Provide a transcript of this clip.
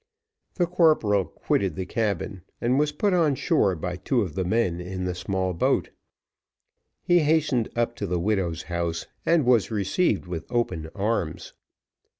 The corporal quitted the cabin and was put on shore by two of the men in the small boat. He hastened up to the widow's house, and was received with open arms.